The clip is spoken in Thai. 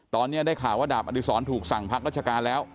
ตอนนี้ได้ข่าวว่าดาบอธิษฐรนตร์ถูกสั่งพรรคราชการแล้ว